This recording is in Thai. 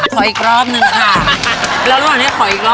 ศึกอยู่อ่ะ